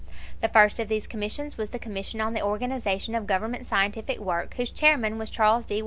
The first of these Commissions was the Commission on the Organization of Government Scientific Work, whose Chairman was Charles D.